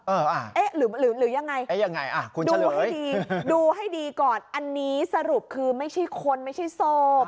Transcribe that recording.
เออหรือยังไงดูให้ดีก่อนอันนี้สรุปคือไม่ใช่คนไม่ใช่ศพ